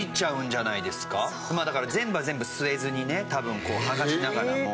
だから全部は全部吸えずにね多分剥がしながらも。